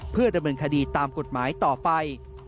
เพื่อดำเนินคดีตามกฎหมายต่อไป